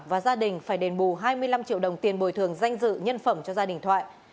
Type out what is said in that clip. và gia đình phải đền bù hai mươi năm triệu đồng tiền bồi thường danh dự nhân phẩm cho gia đình thoại